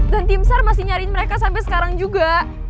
dan timsar masih nyariin mereka sampai sekarang juga